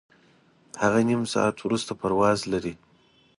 هغه نیم ساعت وروسته پرواز لري.